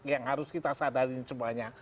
yang harus kita sadari semuanya